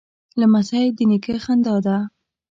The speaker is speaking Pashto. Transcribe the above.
لمسی د نیکه خندا ده.